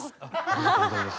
ありがとうございます。